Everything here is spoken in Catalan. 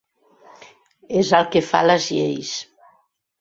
És el que fa les lleis.